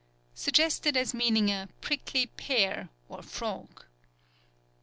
_ Suggested as meaning a "prickly pear" or frog.